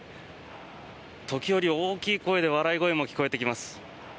時折、大きい声で笑い声も聞こえてきます。